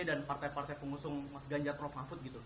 dan partai partai pengusung mas ganjar dan prof mahfud